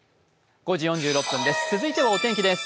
続いてはお天気です。